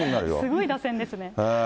すごい打線ですね。